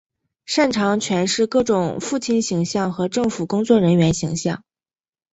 擅长诠释各种父亲形象和政府工作人员形象。